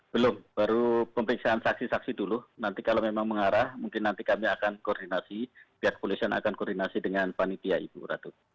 belum baru pemeriksaan saksi saksi dulu nanti kalau memang mengarah mungkin nanti kami akan koordinasi pihak kepolisian akan koordinasi dengan panitia ibu ratu